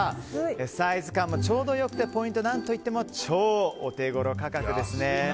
サイズ感もちょうど良くてポイントは何と言っても超オテゴロ価格ですね。